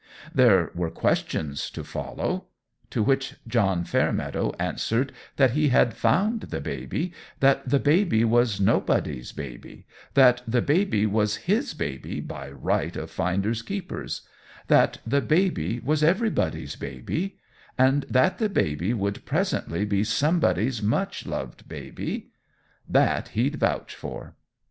There were questions to follow: to which John Fairmeadow answered that he had found the baby that the baby was nobody's baby that the baby was his baby by right of finders keepers that the baby was everybody's baby and that the baby would presently be somebody's much loved baby, that he'd vouch for!